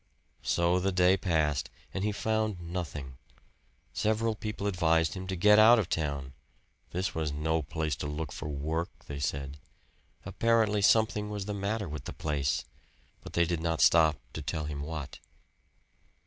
So the day passed, and he found nothing. Several people advised him to get out of town this was no place to look for work, they said. Apparently something was the matter with the place, but they did not stop to tell him what.